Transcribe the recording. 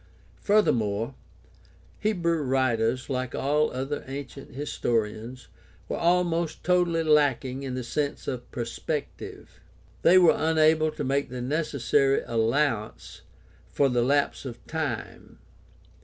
Furthermore, Hebrew writers, like all other ancient historians, were almost totally lacking in the sense of perspective. They were unable to make the necessary allowance for the lapse of time.